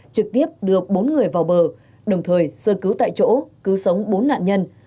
trực tiếp đưa bốn người vào bờ đồng thời sơ cứu tại chỗ cứu sống bốn nạn nhân